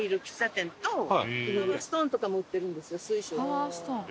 パワーストーン。